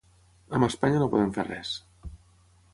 Amb Espanya no podem fer res.